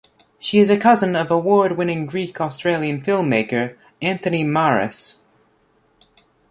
She is a cousin of award-winning Greek Australian filmmaker Anthony Maras.